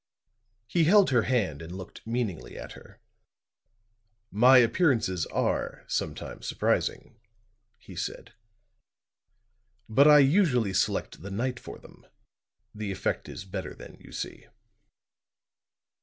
He held her hand and looked meaningly at her. "My appearances are sometimes surprising," he said. "But I usually select the night for them; the effect is better then, you see."